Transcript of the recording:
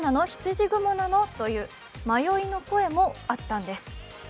ひつじ雲なの？という迷いの声もあったんです。